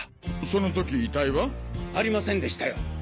その時遺体は？ありませんでしたよ。